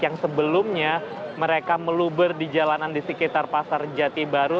yang sebelumnya mereka meluber di jalanan di sekitar pasar jati baru